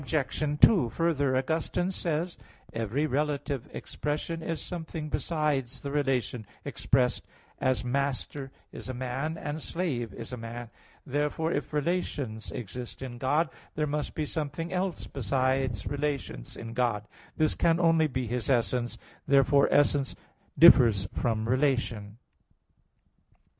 2: Further, Augustine says (De Trin. vii) that, "every relative expression is something besides the relation expressed, as master is a man, and slave is a man." Therefore, if relations exist in God, there must be something else besides relation in God. This can only be His essence. Therefore essence differs from relation.